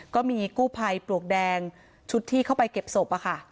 ก็มีกู้ภัยปลวกแดงชุดที่เข้าไปเก็บศพ